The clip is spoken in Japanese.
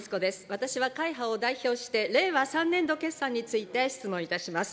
私は会派を代表して、令和３年度決算について質問いたします。